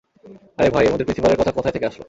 আরে ভাই এর মধ্যে প্রিন্সিপালের কথা কোথায় থেকে আসলো?